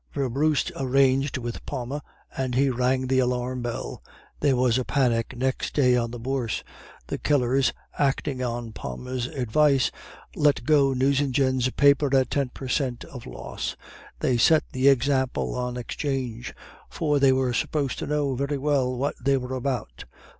Werbrust arranged with Palma, and he rang the alarm bell. There was a panic next day on the Bourse. The Kellers, acting on Palma's advice, let go Nucingen's paper at ten per cent of loss; they set the example on 'Change, for they were supposed to know very well what they were about.